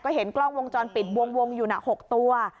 เห็นกล้องวงจรปิดวงอยู่นะ๖ตัว